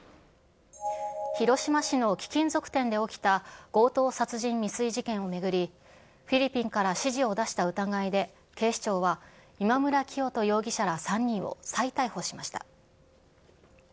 広島市の貴金属店で起きた強盗殺人未遂事件を巡り、フィリピンから指示を出した疑いで、警視庁は、今村磨人容疑者ら３人を再逮捕しました。